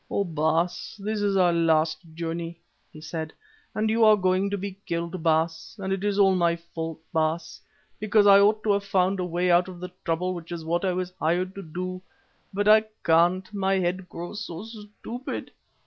"Oh! Baas, this is our last journey," he said, "and you are going to be killed, Baas, and it is all my fault, Baas, because I ought to have found a way out of the trouble which is what I was hired to do. But I can't, my head grows so stupid.